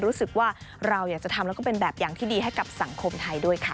รู้สึกว่าเราอยากจะทำแล้วก็เป็นแบบอย่างที่ดีให้กับสังคมไทยด้วยค่ะ